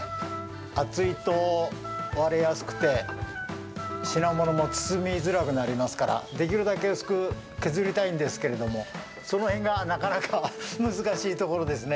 厚いと割れやすくて品物も包みづらくなりますからできるだけ薄く削りたいんですけれどもその辺が、なかなか難しいところですね。